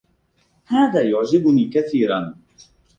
هذا يعجبني كثيرا.